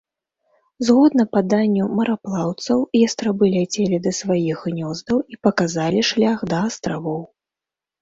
Згодна паданню мараплаўцаў, ястрабы ляцелі да сваіх гнёздаў і паказалі шлях да астравоў.